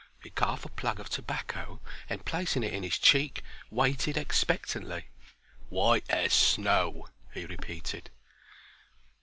He cut off a plug of tobacco, and, placing it in his cheek, waited expectantly. "White as snow," he repeated.